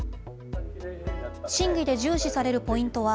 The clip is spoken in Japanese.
審議で重視されるポイントは、